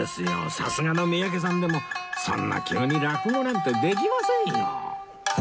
さすがの三宅さんでもそんな急に落語なんてできませんよ！